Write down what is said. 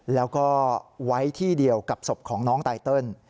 แล้วก็ไว้ที่เดียวกับศพของน้องไตเติล